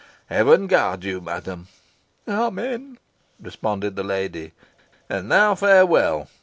Heaven guard you, madam!" "Amen!" responded the lady. "And now farewell!"